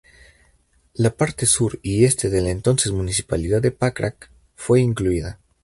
La parte sur y este de la entonces municipalidad de Pakrac fue incluida.